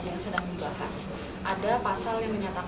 dimana wilayah aglomerasi ini yang sekarang